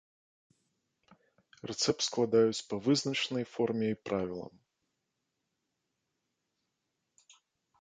Рэцэпт складаюць па вызначанай форме і правілам.